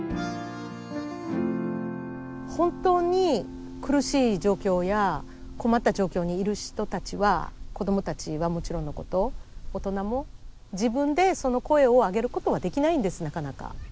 本当に苦しい状況や困った状況にいる人たちは子供たちはもちろんのこと大人も自分でその声を上げることはできないんですなかなか。